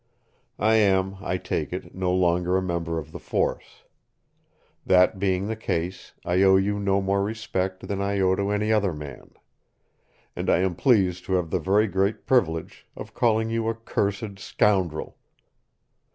I am, I take it, no longer a member of the force. That being the case, I owe you no more respect than I owe to any other man. And I am pleased to have the very great privilege of calling you a cursed scoundrel!"